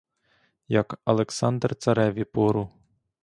Як Александр цареві Пору